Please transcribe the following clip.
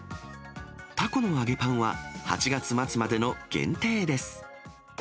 たこの揚げパンは、８月末までの限定です。